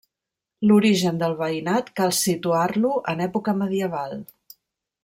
L'origen del veïnat cal situar-lo en època medieval.